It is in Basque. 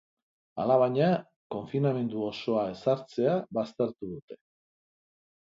Alabaina, konfinamendu osoa ezartzea baztertu dute.